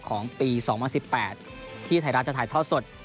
ของปี๒๐๑๘ที่ไทยรัฐจะถ่ายทอดสด